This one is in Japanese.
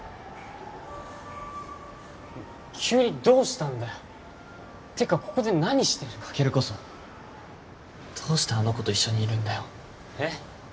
急にどうしたんだよってかここで何してるカケルこそどうしてあの子と一緒にいるんだよえっ？